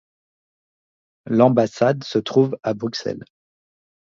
L'ambassade se trouve à Bruxelles.